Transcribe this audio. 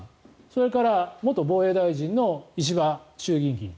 それから元防衛大臣の石破衆議院議員